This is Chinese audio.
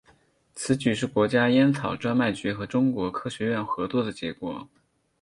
此举是国家烟草专卖局和中国科学院合作的结果。